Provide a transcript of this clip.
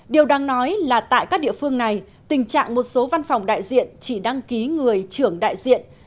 điều đang nói là tại các địa phương này tình trạng một số văn phòng đại diện chỉ đăng ký người trưởng đại diện